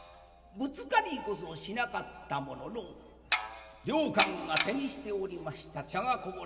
ぶつかりこそしなかったものの良寛が手にしておりました茶がこぼれ